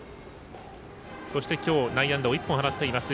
そして、今日内野安打を１本放っています。